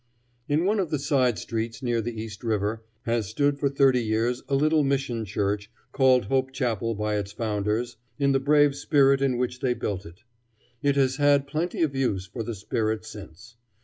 In one of the side streets near the East River has stood for thirty years a little mission church, called Hope Chapel by its founders, in the brave spirit in which they built it. It has had plenty of use for the spirit since.